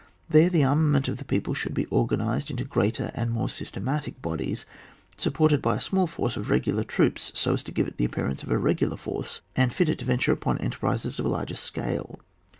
There the armament of the people should be organised into greater and more systematic bodies, supported by a small force of regular troops, so as to give it the appearance of a regular force aad fit it to venture upon enterprises on • larger scale.